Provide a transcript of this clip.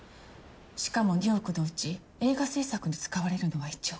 しかも２億のうち映画製作に使われるのは１億。